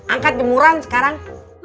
angkat gemuran sekarang